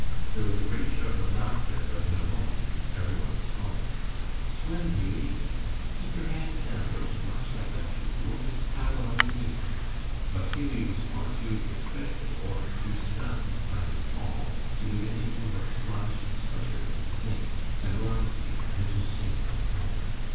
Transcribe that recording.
There was a great shout of laughter, but in a moment every one was calling, "Swim, Hughie!" "Keep your hands down!" "Don't splash like that, you fool!" "Paddle underneath!" But Hughie was far too excited or too stunned by his fall to do anything but splash and sputter, and sink, and rise again, only to sink once more.